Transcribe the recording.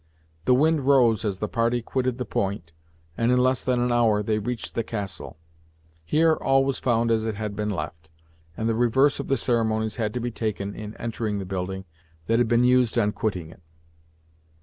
The wind rose as the party quitted the point, and in less than an hour they reached the castle. Here all was found as it had been left, and the reverse of the ceremonies had to be taken in entering the building, that had been used on quitting it.